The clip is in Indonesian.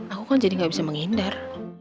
aku kan jadi gak bisa menghindar